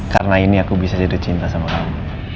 karena ini aku bisa hidup cinta sama kamu